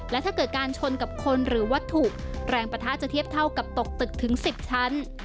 และถ้าเกิดการชนกับคนหรือวัตถุแรงปะทะจะเทียบเท่ากับตกตึกถึง๑๐ชั้น